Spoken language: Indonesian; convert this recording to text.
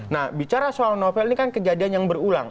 nah bicara soal novel ini kan kejadian yang berulang